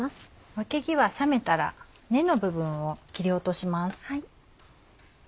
わけぎは冷めたら根の部分を切り落とします。